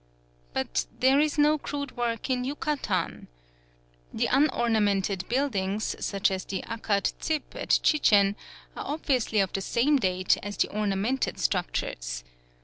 But there is no crude work in Yucatan. The unornamented buildings, such as the Akad Tzib at Chichen, are obviously of the same date as the ornamented structures.